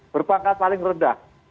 berpangkat paling rendah